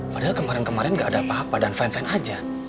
padahal kemarin kemarin gak ada apa apa dan fine fine aja